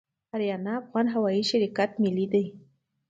اریانا افغان هوایی شرکت ملي دی